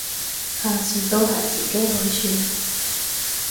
下次都係自己去算